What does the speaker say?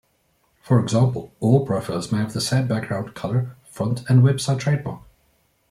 For example, all profiles may have the same background color, font and website trademark.